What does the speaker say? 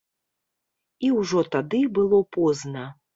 І ўжо тады было позна.